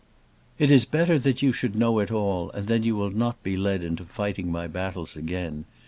"It is better that you should know it all, and then you will not be led into fighting my battles again.